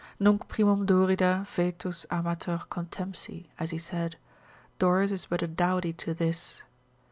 Nunc primum Dorida vetus amator contempsi, as he said, Doris is but a dowdy to this.